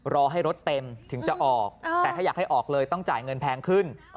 รอให้รถเต็มถึงจะออกแต่ถ้าอยากให้ออกเลยต้องจ่ายเงินแพงขึ้น